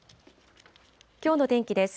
きょうの天気です。